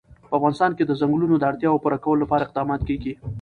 په افغانستان کې د چنګلونه د اړتیاوو پوره کولو لپاره اقدامات کېږي.